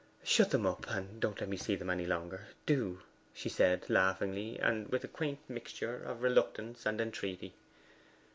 'Shut them up, and don't let me see them any longer do!' she said laughingly, and with a quaint mixture of reluctance and entreaty.